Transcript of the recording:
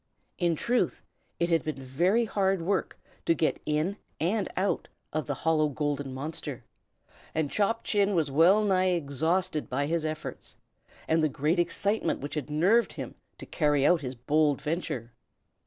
In truth, it had been very hard work to get in and out of the hollow golden monster, and Chop Chin was well nigh exhausted by his efforts, and the great excitement which had nerved him to carry out his bold venture.